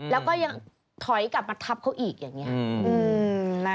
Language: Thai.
แล้วก็ยังถอยกลับมาทับเขาอีกอย่างนี้